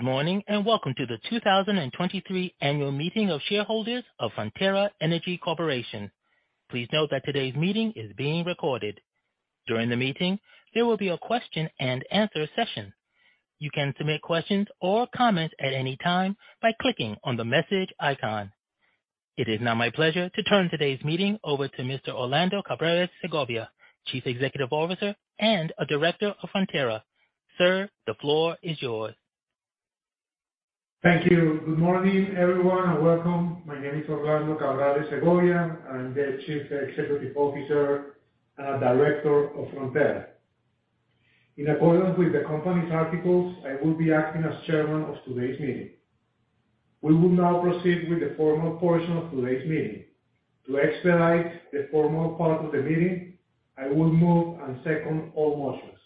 Good morning, and welcome to the 2023 Annual Meeting of Shareholders of Frontera Energy Corporation. Please note that today's meeting is being recorded. During the meeting, there will be a question and answer session. You can submit questions or comments at any time by clicking on the message icon. It is now my pleasure to turn today's meeting over to Mr. Orlando Cabrales Segovia, Chief Executive Officer and a Director of Frontera. Sir, the floor is yours. Thank you. Good morning, everyone, and welcome. My name is Orlando Cabrales Segovia. I'm the Chief Executive Officer and a Director of Frontera. In accordance with the company's articles, I will be acting as Chairman of today's meeting. We will now proceed with the formal portion of today's meeting. To expedite the formal part of the meeting, I will move and second all motions.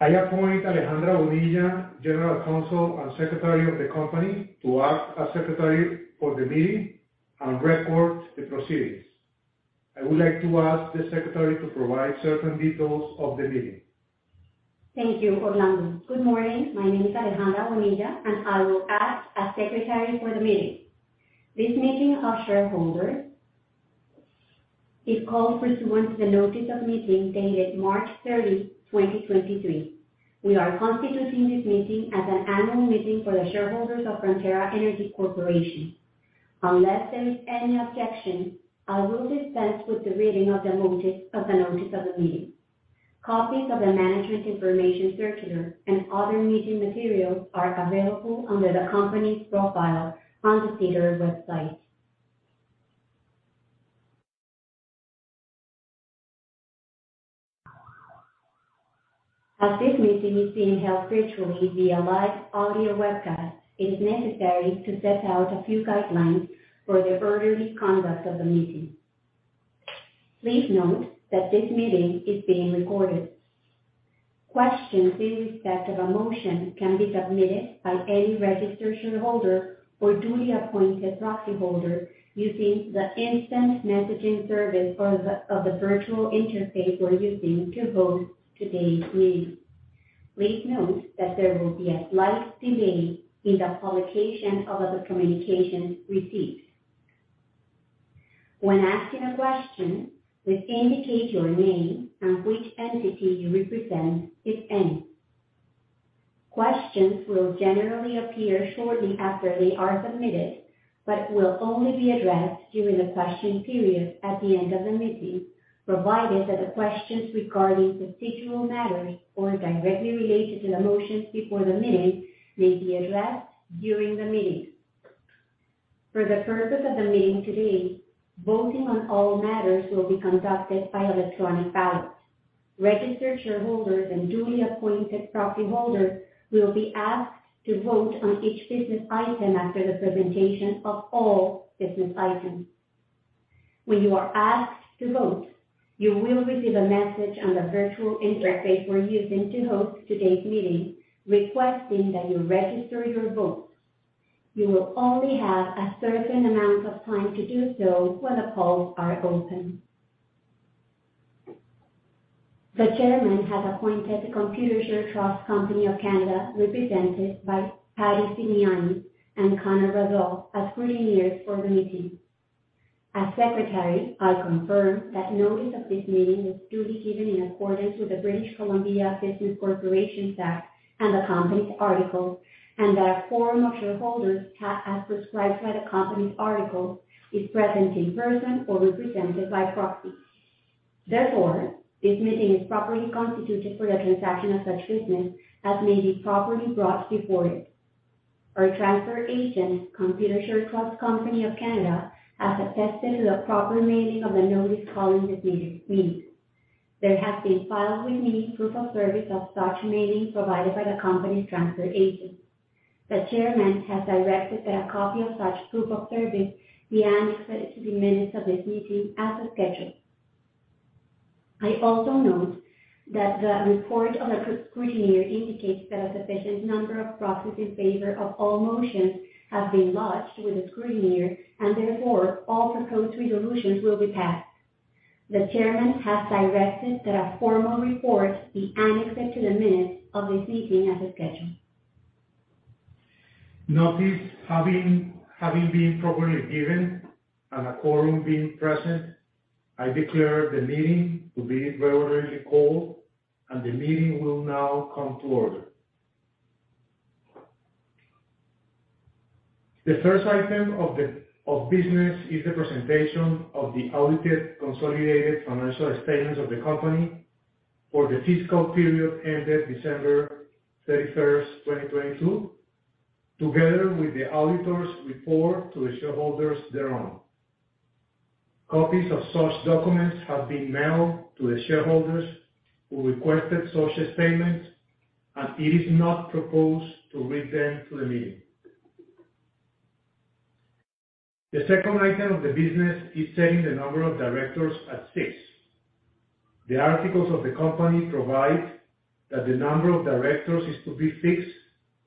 I appoint Alejandra Bonilla, General Counsel and Secretary of the company, to act as Secretary for the meeting and record the proceedings. I would like to ask the Secretary to provide certain details of the meeting. Thank you, Orlando. Good morning. My name is Alejandra Bonilla, and I will act as Secretary for the meeting. This meeting of shareholders is called pursuant to the notice of meeting dated March 30, 2023. We are constituting this meeting as an annual meeting for the shareholders of Frontera Energy Corporation. Unless there is any objection, I will dispense with the reading of the notice of the meeting. Copies of the management information circular and other meeting materials are available under the company's profile on the SEDAR website. As this meeting is being held virtually via live audio webcast, it is necessary to set out a few guidelines for the orderly conduct of the meeting. Please note that this meeting is being recorded. Questions in respect of a motion can be submitted by any registered shareholder or duly appointed proxy holder using the instant messaging service of the virtual interface we're using to host today's meeting. Please note that there will be a slight delay in the publication of the communications received. When asking a question, please indicate your name and which entity you represent, if any. Questions will generally appear shortly after they are submitted, but will only be addressed during the question period at the end of the meeting, provided that the questions regarding procedural matters or directly related to the motions before the meeting may be addressed during the meeting. For the purpose of the meeting today, voting on all matters will be conducted by electronic ballot. Registered shareholders and duly appointed proxy holders will be asked to vote on each business item after the presentation of all business items. When you are asked to vote, you will receive a message on the virtual interface we're using to host today's meeting, requesting that you register your vote. You will only have a certain amount of time to do so when the polls are open. The Chairman has appointed the Computershare Trust Company of Canada, represented by Patty Simiani and Connor Razall as scrutineers for the meeting. As Secretary, I confirm that notice of this meeting was duly given in accordance with the British Columbia Business Corporations Act and the company's articles, and that a quorum of shareholders, as prescribed by the company's articles, is present in person or represented by proxy. Therefore, this meeting is properly constituted for the transaction of such business as may be properly brought before it. Our transfer agent, Computershare Trust Company of Canada, has attested to the proper mailing of the notice calling this meeting. There has been filed with me proof of service of such mailing provided by the Company's transfer agent. The Chairman has directed that a copy of such proof of service be annexed to the minutes of this meeting as a schedule. I also note that the report of the Scrutineer indicates that a sufficient number of proxies in favor of all motions have been lodged with the Scrutineer, and therefore all proposed resolutions will be passed. The Chairman has directed that a formal report be annexed to the minutes of this meeting as a schedule. Notice having been properly given and a quorum being present, I declare the meeting to be regularly called, and the meeting will now come to order. The first item of business is the presentation of the audited consolidated financial statements of the Company for the fiscal period ended December 31st, 2022, together with the auditor's report to the shareholders thereon. Copies of such documents have been mailed to the shareholders who requested such statements, and it is not proposed to read them to the meeting. The second item of the business is setting the number of Directors at six. The Articles of the Company provide that the number of Directors is to be fixed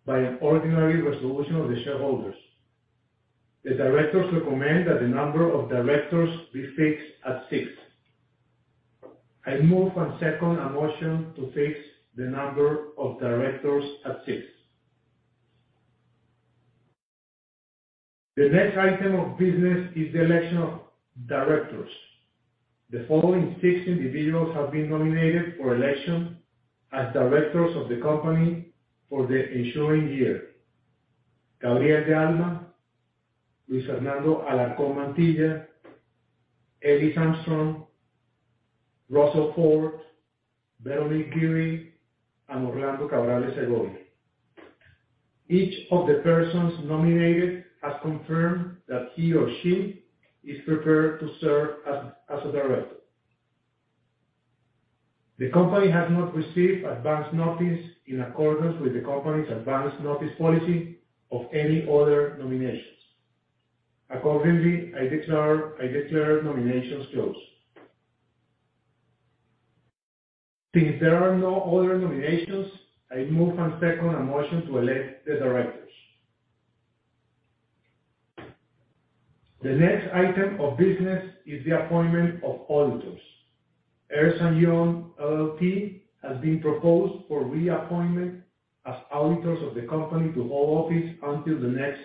by an ordinary resolution of the shareholders. The Directors recommend that the number of Directors be fixed at six. I move and second a motion to fix the number of Directors at six. The next item of business is the election of directors. The following six individuals have been nominated for election as directors of the company for the ensuing year, Gabriel de Alba, Luis Fernando Alarcón Mantilla, Ellis Armstrong, Russell Ford, Veronique Giry, and Orlando Cabrales Segovia. Each of the persons nominated has confirmed that he or she is prepared to serve as a director. The company has not received advance notice in accordance with the company's Advance Notice Policy of any other nominations. Accordingly, I declare nominations closed. Since there are no other nominations, I move and second a motion to elect the directors. The next item of business is the appointment of auditors. Ernst & Young LLP has been proposed for reappointment as auditors of the Company to hold office until the next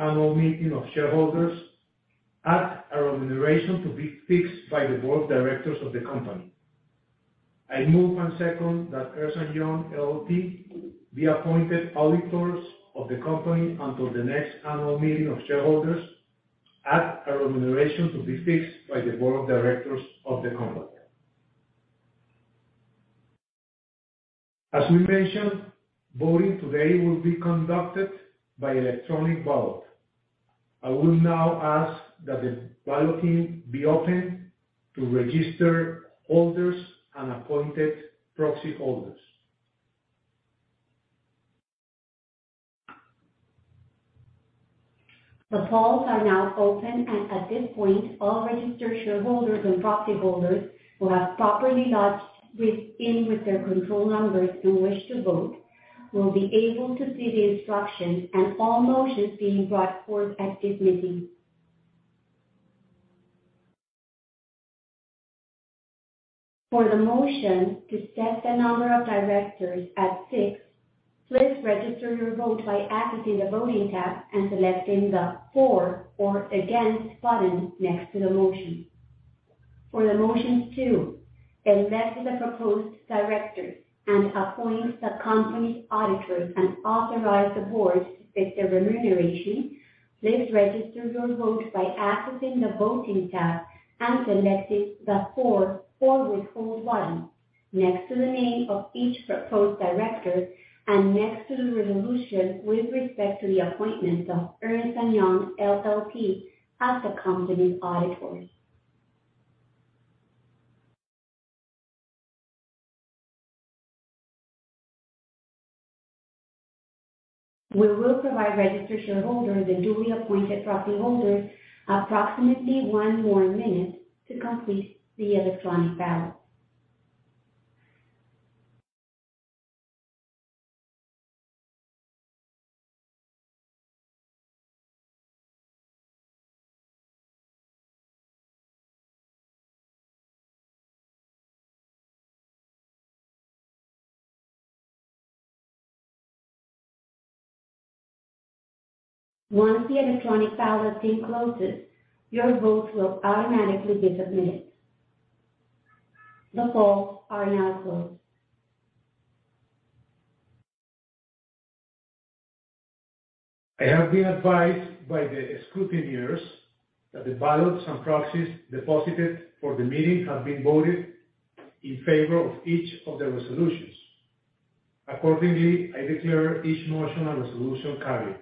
Annual Meeting of Shareholders at a remuneration to be fixed by the Board of Directors of the Company. I move and second that Ernst & Young LLP be appointed auditors of the Company until the next Annual Meeting of Shareholders at a remuneration to be fixed by the Board of Directors of the Company. As we mentioned, voting today will be conducted by electronic ballot. I will now ask that the ballot team be open to registered holders and appointed proxy holders. The polls are now open, and at this point, all registered shareholders and proxy holders who have properly logged in with their control numbers and wish to vote will be able to see the instructions and all motions being brought forth at this meeting. For the motion to set the number of directors at six, please register your vote by accessing the Voting tab and selecting the For or Against button next to the motion. For the motions two, electing the proposed directors and appoint the company's auditors and authorize the board to fix their remuneration, please register your vote by accessing the Voting tab and selecting the For or Withhold button next to the name of each proposed director and next to the resolution with respect to the appointment of Ernst & Young LLP as the company's auditors. We will provide registered shareholders and duly appointed proxy holders approximately one more minute to complete the electronic ballot. Once the electronic ballot time closes, your votes will automatically be submitted. The polls are now closed. I have been advised by the scrutineers that the ballots and proxies deposited for the meeting have been voted in favor of each of the resolutions. Accordingly, I declare each motion and resolution carried.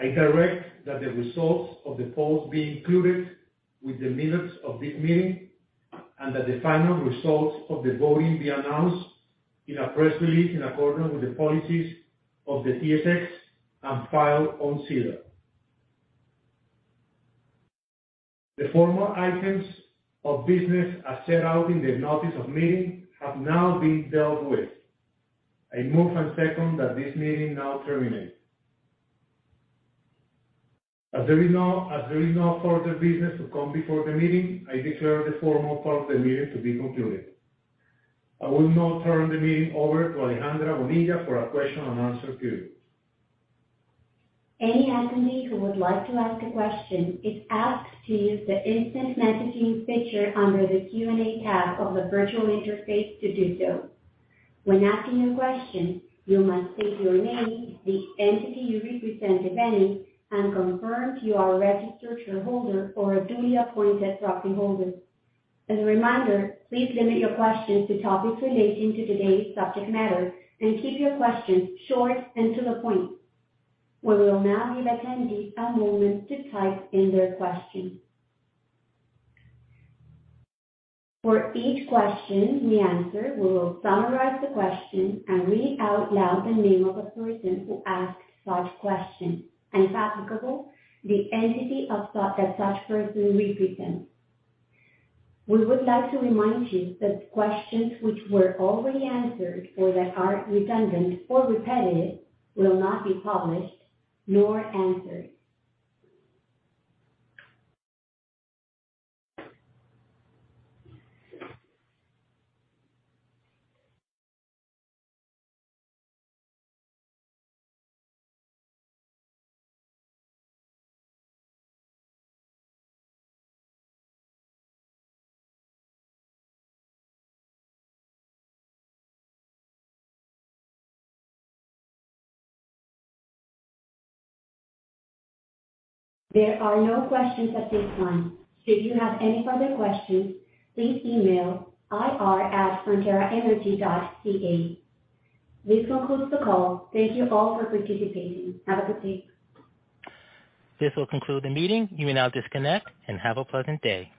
I direct that the results of the polls be included with the minutes of this meeting and that the final results of the voting be announced in a press release in accordance with the policies of the TSX and filed on SEDAR. The formal items of business as set out in the notice of meeting have now been dealt with. I move and second that this meeting now terminate. As there is no further business to come before the meeting, I declare the formal part of the meeting to be concluded. I will now turn the meeting over to Alejandra Bonilla for a question and answer period. Any attendee who would like to ask a question is asked to use the instant messaging feature under the Q&A tab of the virtual interface to do so. When asking a question, you must state your name, the entity you represent, if any, and confirm you are a registered shareholder or a duly appointed proxyholder. As a reminder, please limit your questions to topics relating to today's subject matter and keep your questions short and to the point. We will now give attendees a moment to type in their questions. For each question we answer, we will summarize the question and read out loud the name of the person who asked such question, and if applicable, the entity that such person represents. We would like to remind you that questions which were already answered or that are redundant or repetitive will not be published nor answered. There are no questions at this time. If you have any further questions, please email ir@fronteraenergy.ca. This concludes the call. Thank you all for participating. Have a good day. This will conclude the meeting. You may now disconnect and have a pleasant day.